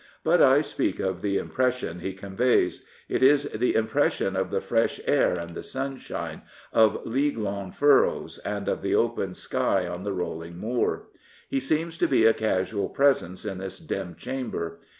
But I speak of the impression he conveys. It is the impression of the fresh air and the sunshine, of league long furrows, and of the open sky on the rolling moor. He seems to be a casual presence in this dim chamber.